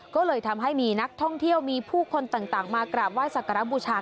ก็เลยทำให้มีนักท่องเที่ยวมีผู้คนต่างมากราบไห้สักการะบูชา